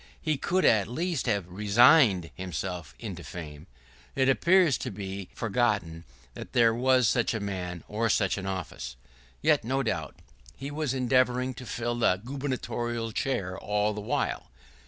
He could at least have resigned himself into fame. It appeared to be forgotten that there was such a man or such an office. Yet no doubt he was endeavoring to fill the gubernatorial chair all the while.